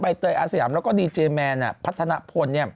บ่ายเตยอาเซียมแล้วก็ดีเจย์แมนพัฒนาพล